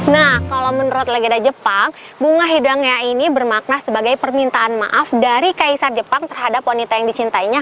nah kalau menurut legenda jepang bunga hidangnya ini bermakna sebagai permintaan maaf dari kaisar jepang terhadap wanita yang dicintainya